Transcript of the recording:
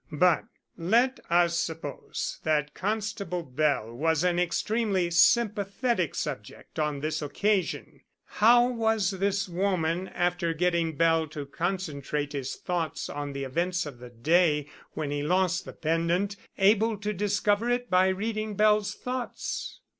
But let us suppose that Constable Bell was an extremely sympathetic subject on this occasion. How was this woman, after getting Bell to concentrate his thoughts on the events of the day when he lost the pendant, able to discover it by reading Bell's thoughts?"